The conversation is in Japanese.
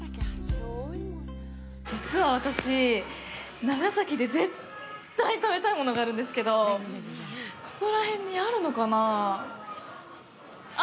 実は私、長崎で絶対に食べたいものがあるんですけどここら辺にあるのかなあ。